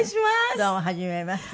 どうもはじめまして。